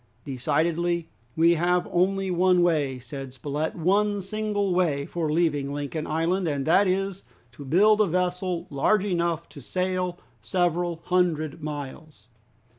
"Decidedly we have only one way," said Spilett, "one single way for leaving Lincoln Island, and that is, to build a vessel large enough to sail several hundred miles.